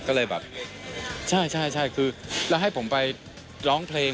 ก็เลยแบบใช่ใช่คือแล้วให้ผมไปร้องเพลง